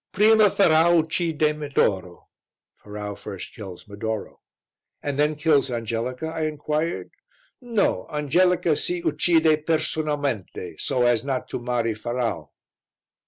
"Prima Ferrau uccide Medoro." (Ferrau first kills Medoro.) "And then kills Angelica?" I inquired. "No. Angelica si uccide personalmente, so as not to marry Ferrau."